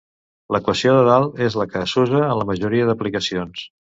L'equació de dalt és la que s'usa en la majoria d'aplicacions.